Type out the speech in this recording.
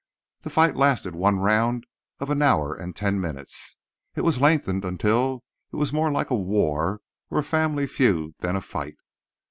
The fight lasted one round of an hour and ten minutes. It was lengthened until it was more like a war or a family feud than a fight.